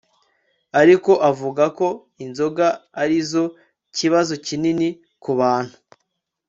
ariko avuga ko inzoga ari zo kibazo kinini ku bantu